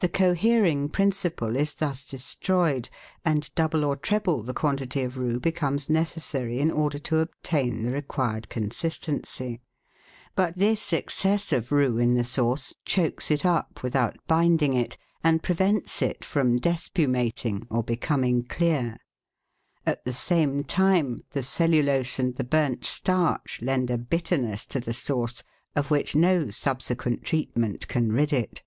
The cohering principle is thus destroyed, and double or treble the quantity of roux becomes necessary in order to obtain the required consistency. But this excess of roux in the sauce chokes it up without binding it, and prevents it from despumat ing or becoming clear. At the same time, the cellulose and the burnt starch lend a bitterness to the sauce of which no subsequent treatment can rid it.